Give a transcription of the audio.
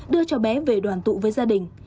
đưa cháu bé về đoàn tụ với gia đình